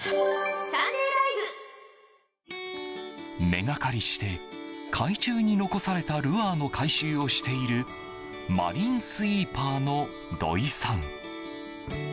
根がかりして海中に残されたルアーの回収をしているマリンスイーパーの土井さん。